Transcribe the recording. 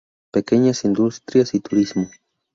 Pequeñas industrias y turismo.